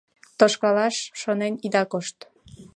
Тошкалаш шонен ида кошт.